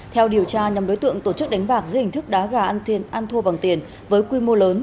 theo điều tra nhóm đối tượng tổ chức đánh bạc dưới hình thức đá gà ăn thua bằng tiền với quy mô lớn